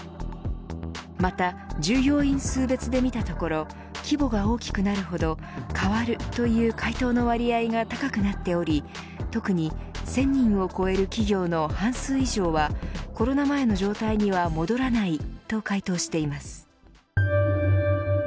また従業員数別で見たところ規模が大きくなるほど変わるという回答の割合が高くなっており特に１０００人を超える企業の半数以上はコロナ前の状態には戻らないと回答しています。